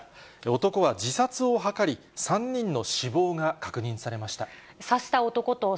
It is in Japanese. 男は自殺を図り、３人の死亡が確認されました。